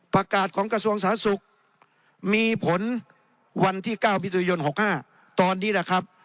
ประกาศของกระทรวงสาธารณสุขมีผลวันที่๙มิถุนายน๖๕ตอนนี้แหละครับ